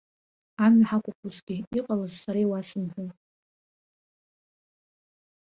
Амҩа ҳақәуп усгьы, иҟалаз сара иуасымҳәо.